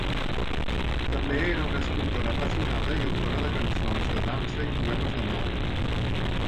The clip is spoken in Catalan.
També era una escriptora apassionada i autora de cançons de dansa i poemes d'amor.